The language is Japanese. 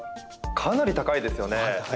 かなり高いですよね。